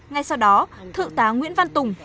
ngay sau đó thượng tá nguyễn văn tùng